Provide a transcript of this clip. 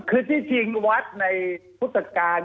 คือที่จริงวัดในพุทธกาล